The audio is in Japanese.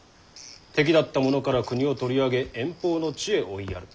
敵だった者から国を取り上げ遠方の地へ追いやる。